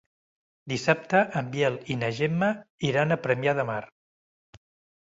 Dissabte en Biel i na Gemma iran a Premià de Mar.